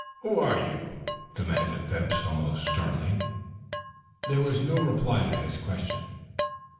"Who are you?" demanded Mr. Phipps almost sternly. There was no reply to his question.